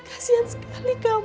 kasihan sekali kamu